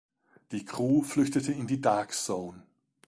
Die Crew flüchtet in die Dark Zone.